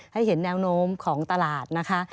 ให้เห็นแนวโน้มของตลาดนะคะ